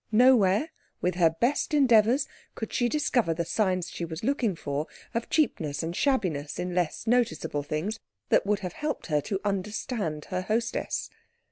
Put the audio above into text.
Nowhere, with her best endeavours, could she discover the signs she was looking for of cheapness and shabbiness in less noticeable things that would have helped her to understand her hostess.